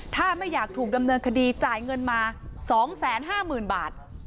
ถ้าไม่อยากถูกดำเนินคดีจ่ายเงินมา๒๕๐๐๐บาท